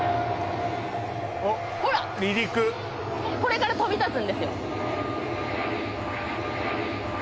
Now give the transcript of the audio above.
おっ離陸ほらこれから飛び立つんですよ